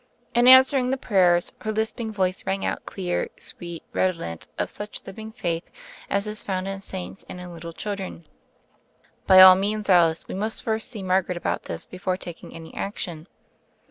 In answering the prayers her lisping voice rang out clear, sweet, redolent of such living faith as is found in saints and in little children. "By all means, Alice, we must first see Mar garet about this before taking any action."